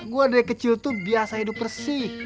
gue dari kecil tuh biasa hidup bersih